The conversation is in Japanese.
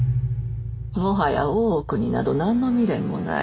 もはや大奥になど何の未練もない。